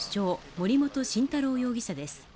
森本晋太郎容疑者です。